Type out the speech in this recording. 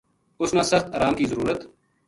اس نا سخت آرام کی ضرورت